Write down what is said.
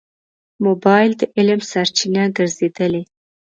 موبایل د علم سرچینه ګرځېدلې.